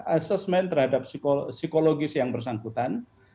asesmen terhadap psikologis yang bersangkutan